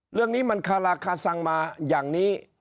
เรื่องนี้มันคาราคาซังมาอย่างนี้